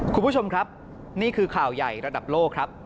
คุณผู้ชมครับนี่คือข่าวใหญ่ระดับโลกครับ